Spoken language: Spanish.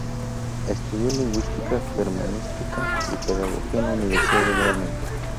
Estudió lingüística, germanística y pedagogía en la Universidad de Bremen.